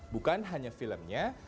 bukan hanya filmnya